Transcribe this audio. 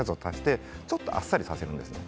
ちょっとあっさりさせるんですね。